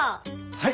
はい！